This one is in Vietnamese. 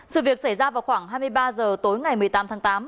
sự việc xảy ra vào khoảng hai mươi ba h tối ngày một mươi tám tháng tám